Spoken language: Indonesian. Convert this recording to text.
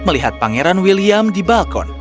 melihat pangeran william di balkon